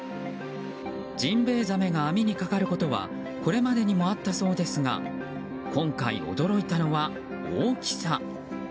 ジンベエザメが網にかかることはこれまでにもあったそうですが今回、驚いたのは大きさ。